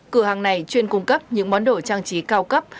cửa hàng này chuyên cung cấp những món đồ trang trí cao cấp